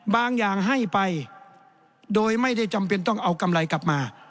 บางอย่างให้ไปโดยไม่ได้จำเป็นต้องเอากำไรกลับมา